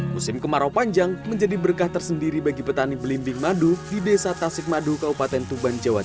musim kemarau panjang menjadi berkah tersendiri bagi petani belimbing madu di desa tasik madu kabupaten tuban jawa timur